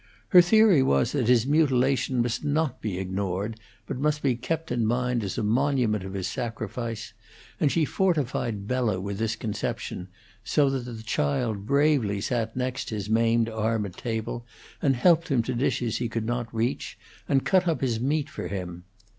Her theory was that his mutilation must not be ignored, but must be kept in mind as a monument of his sacrifice, and she fortified Bella with this conception, so that the child bravely sat next his maimed arm at table and helped him to dishes he could not reach, and cut up his meat for him.